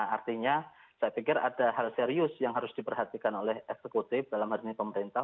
artinya saya pikir ada hal serius yang harus diperhatikan oleh eksekutif dalam hal ini pemerintah